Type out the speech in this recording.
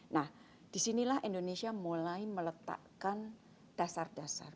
nah disinilah indonesia mulai meletakkan dasar dasar